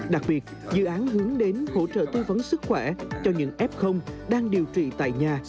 đặc biệt dự án hướng đến hỗ trợ tư vấn sức khỏe cho những f đang điều trị tại nhà